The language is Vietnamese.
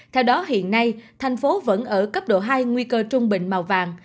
theo đó hiện nay thành phố vẫn ở cấp độ hai nguy cơ trung bình màu vàng